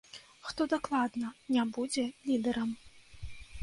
Хто дакладна не будзе лідэрам?